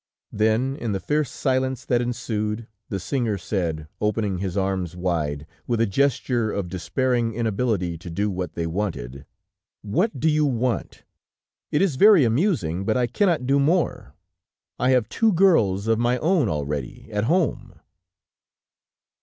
Then, in the fierce silence that ensued, the singer said, opening his arms wide, with a gesture of despairing inability to do what they wanted: "What do you want? It is very amusing, but I cannot do more. I have two girls of my own already, at home."